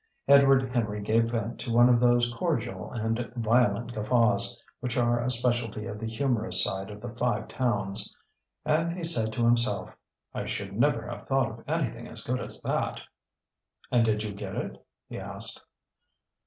Edward Henry gave vent to one of those cordial and violent guffaws which are a specialty of the humorous side of the Five Towns. And he said to himself: "I should never have thought of anything as good as that." "And did you get it?" he asked.